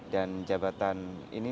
dan jabatan ini